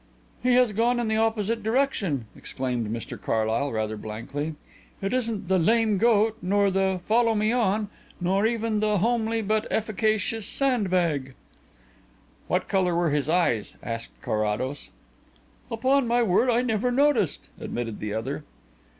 "He has gone in the opposite direction," exclaimed Mr Carlyle, rather blankly. "It isn't the 'lame goat' nor the 'follow me on,' nor even the homely but efficacious sand bag." "What colour were his eyes?" asked Carrados. "Upon my word, I never noticed," admitted the other.